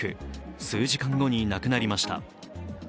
数時間後に亡くなりました。